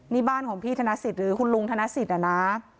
นี่บ้านของพี่ธนสิทธิ์หรือคุณลุงธนสิทธิ์นะ